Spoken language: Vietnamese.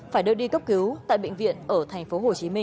phải đưa đi cấp cứu tại bệnh viện ở thành phố hồ chí minh